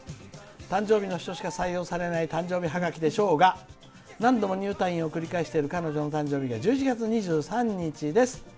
「誕生日の人しか採用されない誕生日ハガキでしょうが何度も入退院を繰り返している彼女の誕生日が１１月２３日です」